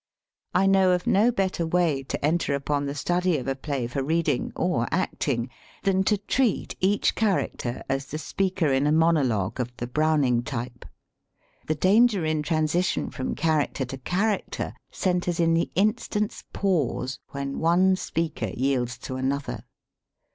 I know of no better way to enter upon the study of a play for reading (or acting) than to treat each char aracter as the speaker in a monologue of the Browning type. The danger in transition from character to character centres in the in stant's pause when one speaker yields to an other.